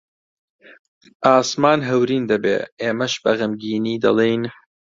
ئاسمان هەورین دەبێ، ئێمەش بە غەمگینی دەڵێین: